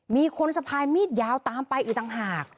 มีคนสะพายมีดยาวตามไปอีกต่างหาก